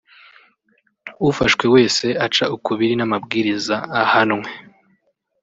ufashwe wese aca ukubiri n’amabwiriza ahanwe